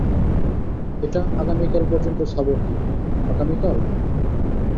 এটা আগামীকাল পর্যন্ত সাপোর্ট দিবে আগামীকাল?